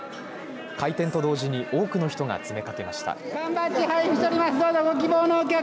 開店と同時に多くの人が詰めかけました。